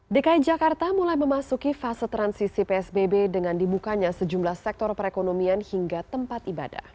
dki jakarta mulai memasuki fase transisi psbb dengan dibukanya sejumlah sektor perekonomian hingga tempat ibadah